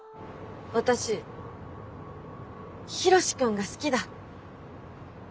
私ヒロシ君が好きだ。